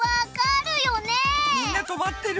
みんな止まってる。